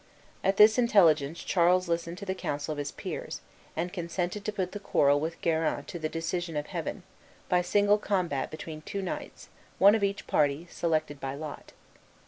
At this intelligence Charles listened to the counsel of his peers, and consented to put the quarrel with Guerin to the decision of Heaven, by single combat between two knights, one of each party, selected by lot.